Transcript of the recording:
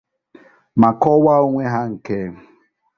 ma kọwaa onwe ha nke